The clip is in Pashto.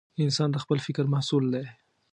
انسان د خپل فکر محصول دی.